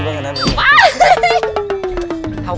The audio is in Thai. สับเนื้อ